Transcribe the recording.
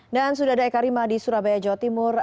dan sudah ada eka rima di surabaya jawa timur